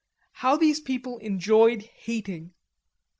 How these people enjoyed hating!